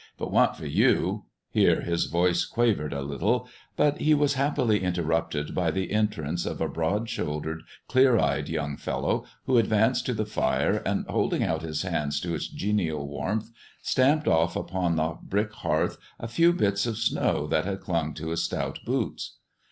If't wa'n't for you" Here his voice quavered a little, but he was happily interrupted by the entrance of a broad shouldered, clear eyed young fellow, who advanced to the fire, and, holding out his hands to its genial warmth, stamped off upon the brick hearth a few bits of snow that had clung to his stout boots.